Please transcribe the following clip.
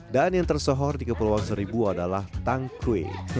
dan yang tersohor di kepulauan seribu adalah tangkwe